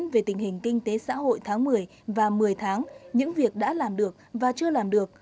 một mươi và một mươi tháng những việc đã làm được và chưa làm được